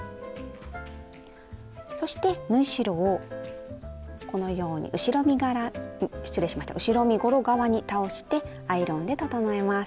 そして縫い代をこのように後ろ身ごろ側に倒してアイロンで整えます。